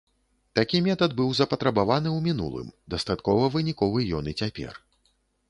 Такі метад быў запатрабаваны ў мінулым, дастаткова выніковы ён і цяпер.